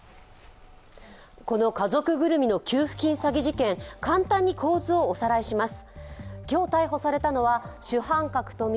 この家族ぐるみの給付金詐欺事件、簡単に構図をおさらいします。